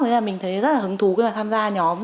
nên là mình thấy rất là hứng thú khi mà tham gia nhóm